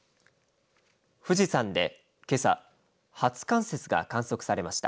富士山で、けさ初冠雪が観測されました。